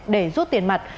để rút tiền mặt thẻ